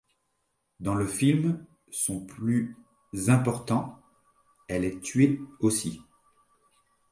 Dans le film, son plus important, elle est tuée aussi.